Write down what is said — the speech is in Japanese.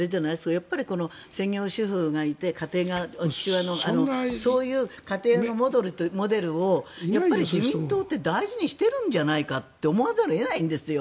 専業主婦がいてそういう家庭のモデルをやっぱり自民党って大事にしてるんじゃないかって思わざるを得ないんですよ。